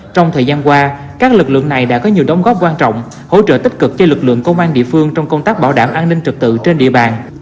trong thời gian qua các lực lượng này đã có nhiều đóng góp quan trọng hỗ trợ tích cực cho lực lượng công an địa phương trong công tác bảo đảm an ninh trực tự trên địa bàn